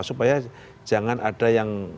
supaya jangan ada yang